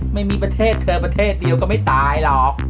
ประเทศเธอประเทศเดียวก็ไม่ตายหรอก